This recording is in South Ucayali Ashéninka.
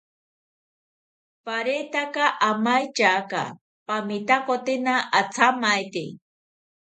Paretaka amaityaka pamitakotena athamaite